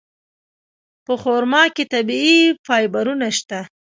په خرما کې طبیعي فایبرونه شته.